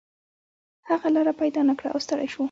هغه لاره پیدا نه کړه او ستړی شو.